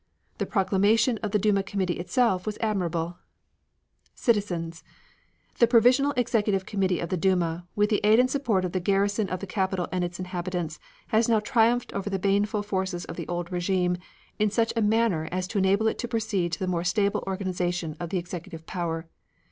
The proclamation of the Duma committee itself was admirable: CITIZENS: The Provisional Executive Committee of the Duma, with the aid and support of the garrison of the capital and its inhabitants, has now triumphed over the baneful forces of the old regime in such a manner as to enable it to proceed to the more stable organization of the executive power.